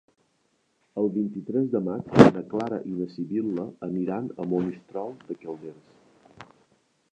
El vint-i-tres de maig na Clara i na Sibil·la aniran a Monistrol de Calders.